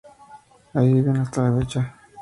Ahí viven hasta la fecha.